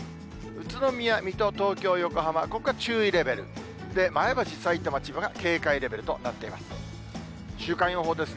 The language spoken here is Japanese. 宇都宮、水戸、東京、横浜、ここは注意レベル、前橋、さいたま、千葉が警戒レベルとなっています。